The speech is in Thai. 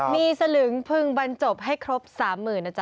มีสลึงพึงบรรจบให้ครบ๓๐๐๐นะจ๊